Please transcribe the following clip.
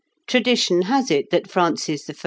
Tradition has it that Francis I.